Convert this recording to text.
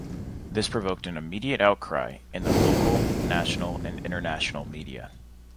This provoked an immediate outcry in the local, national and international media.